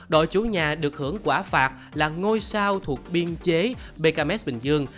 đội chủ nhà được hưởng quả phạt là ngôi sao thuộc biên chế bkm bình dương